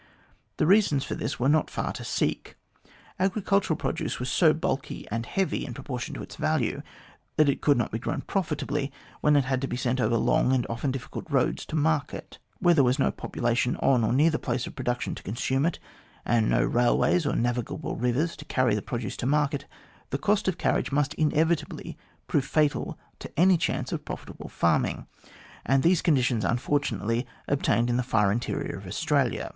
The reasons for this were not far to seek. Agricultural produce was so bulky and heavy in proportion to its value that it could not be grown profitably when it had to be sent over long and often difficult roads to market. Where there was no population on or near the place of production to consume it, and no railways or navigable rivers to carry the produce to market, the cost of carriage must inevitably prove fatal to any chance of profitable farming; and these conditions unfortunately obtained in the far interior of Australia.